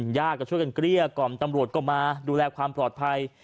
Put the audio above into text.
ญาติก็ช่วยกันเกลี้ยกล่อมตำรวจก็มาดูแลความปลอดภัย